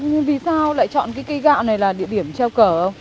nhưng vì sao lại chọn cây gạo này là địa điểm treo cờ không